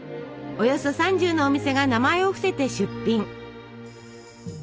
およそ３０のお店が名前を伏せて出品。